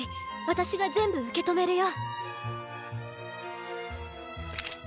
私が全部受け止めるよ。